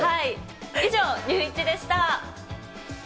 以上、ＮＥＷイチでした。